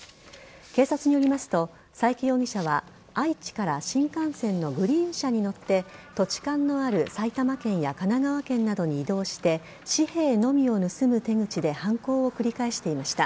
警察によりますと、佐伯容疑者は愛知から新幹線のグリーン車に乗って土地勘のある埼玉県や神奈川県などに移動して紙幣のみを盗む手口で犯行を繰り返していました。